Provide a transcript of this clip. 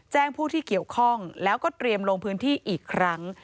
ผู้ที่เกี่ยวข้องแล้วก็เตรียมลงพื้นที่อีกครั้ง